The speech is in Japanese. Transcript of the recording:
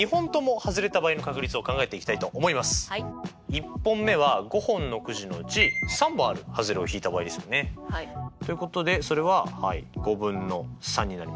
１本目は５本のくじのうち３本あるはずれを引いた場合ですよね。ということでそれははい５分の３になります。